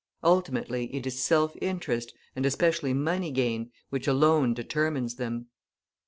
Ultimately it is self interest, and especially money gain, which alone determines them.